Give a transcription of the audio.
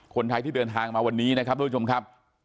คนไทยที่เดินทางมาวันนี้นะครับทุกผู้ชมครับ